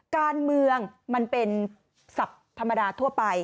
การเมืองมันเป็นศัพท์ธรรมดาทั่วไป